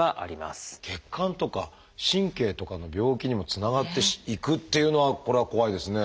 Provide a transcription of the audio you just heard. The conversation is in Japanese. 血管とか神経とかの病気にもつながっていくっていうのはこれは怖いですね。